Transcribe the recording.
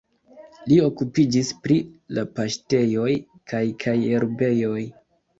Li okupiĝis pri la paŝtejoj kaj kaj herbejoj.